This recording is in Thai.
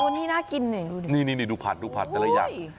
โอ้นี่น่ากินหน่อยดูดินี่ดูผัดผัดได้หรือยัง